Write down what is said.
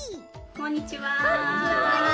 こんにちは。